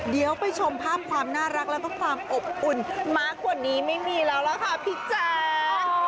เดี๋ยวไปชมภาพความน่ารักแล้วก็ความอบอุ่นมากกว่านี้ไม่มีแล้วล่ะค่ะพี่แจ๊ะ